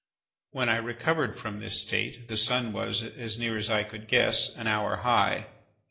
When I recovered from this state, the sun was, as near as I could guess, an hour high.